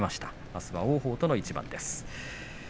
あすは王鵬との一番です。